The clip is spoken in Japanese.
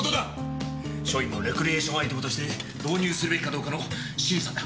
署員のレクリエーションアイテムとして導入するべきかどうかの審査だ。